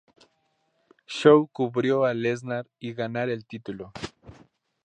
Show cubrió a Lesnar y ganar el título.